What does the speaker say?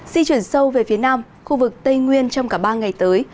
di chuyển sâu về phía nam khu vực tây nguyên trong cả ba ngày tới